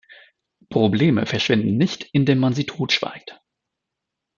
Probleme verschwinden nicht, indem man sie totschweigt.